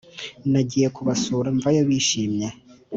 nagiye kubasura mvayo bishimye